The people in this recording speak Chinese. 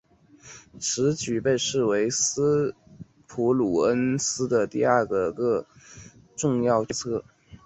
此举被视为斯普鲁恩斯的第二个个重要决策。